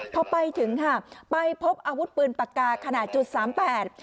พอไปถึงค่ะไปพบอาวุธปืนปากกาขนาด๓๘